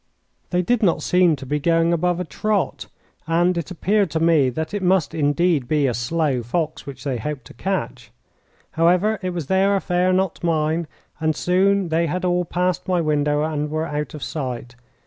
They did not seem to be going above a trot, and it appeared to me that it must indeed be a slow fox which they hoped to catch. However, it was their affair, not mine, and soon they had all passed my window and were out of sight.